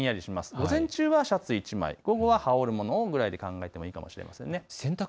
午前中はシャツ１枚、午後は羽織るものぐらいに考えたほうがいいかも知れません。